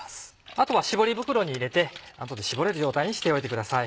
あとは絞り袋に入れて後で絞れる状態にしておいてください。